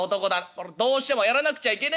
「これどうしてもやらなくちゃいけねえの？